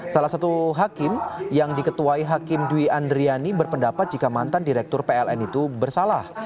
salah satu hakim yang diketuai hakim dwi andriani berpendapat jika mantan direktur pln itu bersalah